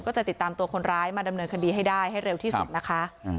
จะติดตามตัวคนร้ายมาดำเนินคดีให้ได้ให้เร็วที่สุดนะคะ